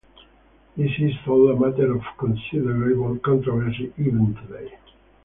This is all a matter of considerable controversy even today.